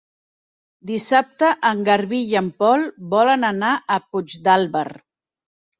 Dissabte en Garbí i en Pol volen anar a Puigdàlber.